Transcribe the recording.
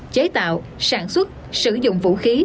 chế tạo sản xuất sử dụng vũ khí